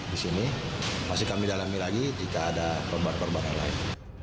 di sini masih kami dalami lagi jika ada korban korban yang lain